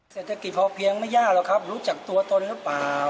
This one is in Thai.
เศรษฐกิจพอเพียงไม่ยากหรอกครับรู้จักตัวตนหรือเปล่า